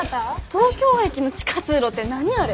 東京駅の地下通路って何あれ。